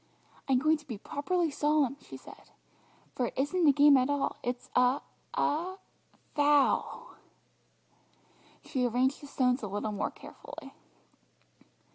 "I'm going to be properly solemn," she said, "for it isn't a game at all, it's a a vow!" She arranged the stones a little more carefully.